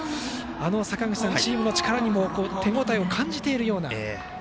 坂口さん、チームの力にも手応えを感じているような。